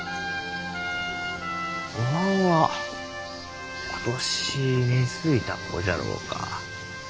おまんは今年根づいた子じゃろうか？